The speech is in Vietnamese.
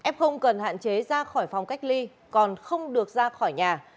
f cần hạn chế ra khỏi phòng cách ly còn không được ra khỏi nhà